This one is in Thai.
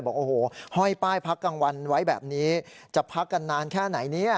บอกโอ้โหห้อยป้ายพักกลางวันไว้แบบนี้จะพักกันนานแค่ไหนเนี่ย